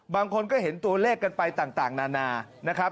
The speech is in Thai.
บางคนก็เห็นตัวเลขกันไปต่างนานานะครับ